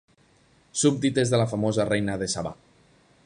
Súbdites de la famosa reina de Sabà.